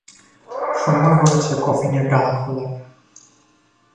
সময় হয়েছে কফিনের ডালা খোলার!